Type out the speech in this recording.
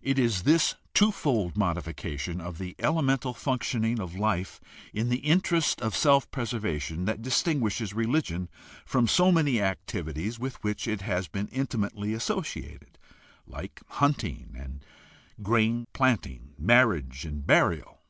It is this twofold modification of the elemental functioning of life in the interest of self preservation that distinguishes religion from so many activities with which it has been inti mately associated, like hunting, and grain planting, marriage, and burial.